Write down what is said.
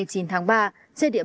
trên địa bàn huyện yên minh